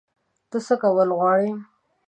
ته څه کول غواړې؟